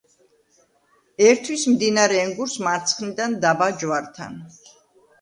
ერთვის მდინარე ენგურს მარცხნიდან დაბა ჯვართან.